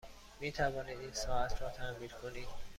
می توانید این ساعت را تعمیر کنید؟